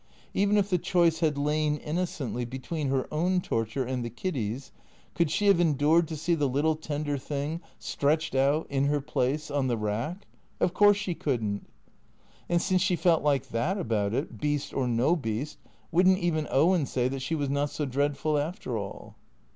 Even if the choice had Iain, innocently, between her own torture and the Kiddy's, could she have endured to see the little tender thing stretched out, in her place, on the rack? Of course she couldn't. And since she felt like that about it, beast or no beast, would n't even Owen say that she was not so dreadful after all